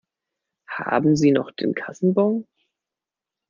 Haben Sie noch den Kassenbon?